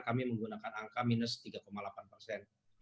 kami menggunakan angka minus tiga delapan persen